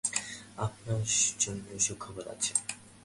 আপনার জন্য সুখবর আছে!